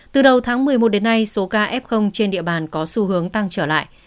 từ đầu tháng một mươi một đến nay số ca f trên địa bàn có xu hướng tăng trở lại